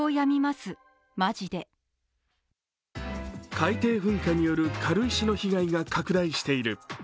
海底噴火による軽石の被害が拡大している。